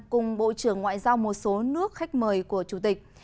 cùng bộ trưởng ngoại giao một số nước khách mời của chủ tịch